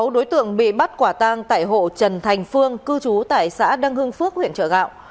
sáu đối tượng bị bắt quả tang tại hộ trần thành phương cư trú tại xã đăng hưng phước huyện trợ gạo